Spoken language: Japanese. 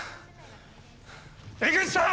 江口さん！